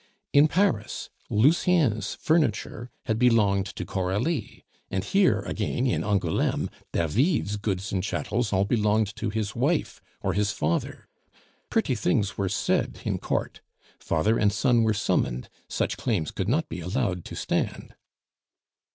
In Paris Lucien's furniture had belonged to Coralie, and here again in Angouleme David's goods and chattels all belonged to his wife or his father; pretty things were said in court. Father and son were summoned; such claims could not be allowed to stand.